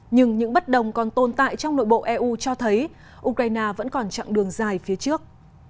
nhưng những bất đồng còn tồn tại trong nội bộ eu cho thấy ukraine vẫn còn chặng đường dài phía trước